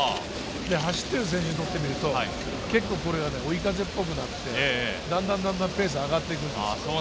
走っている選手にとってみると結構これが追い風っぽくなって、だんだんとペースが上がっていくんです。